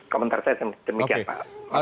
komentar saya demikian pak